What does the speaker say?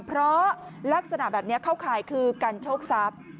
เพราะลักษณะแบบนี้เข้าข่ายคือกันโชคทรัพย์